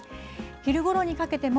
昼ごろにかけても、